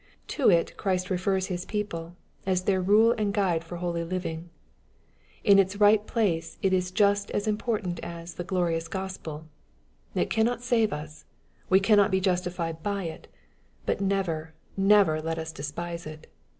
To it Christ refers His people as their rule and guide for holy living. In its right place it is just as important as " the glorious Gospel." — It cannot save us. We can not be justified by it. But never, never let us despise it.